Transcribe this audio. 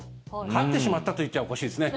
勝ってしまったと言っちゃおかしいですね。